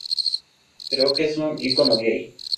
Creo que es un icono gay.